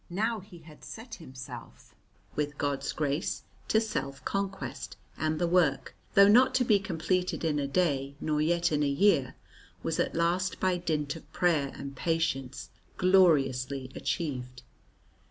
Now he had set himself with God's grace to self conquest, and the work, though not to be completed in a day nor yet in a year, was at last by dint of prayer and patience gloriously achieved.